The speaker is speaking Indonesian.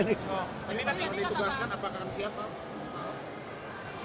oh ini tadi sudah ditubaskan apakah akan siapa pak